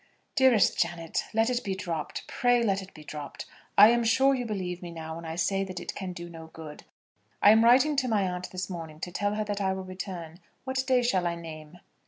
"Dearest Janet, let it be dropped; pray let it be dropped. I am sure you believe me now when I say that it can do no good. I am writing to my aunt this moment to tell her that I will return. What day shall I name?"